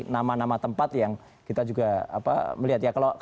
nama nama tempat yang kita juga melihat ya